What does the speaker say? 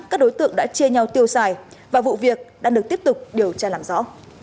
các đối tượng đã chia nhau tiêu xài và vụ việc đang được tiếp tục điều tra làm rõ